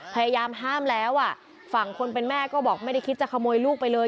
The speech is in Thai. พยายามห้ามแล้วอ่ะฝั่งคนเป็นแม่ก็บอกไม่ได้คิดจะขโมยลูกไปเลย